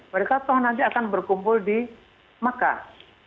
mereka toh nanti akan berkumpul di mekah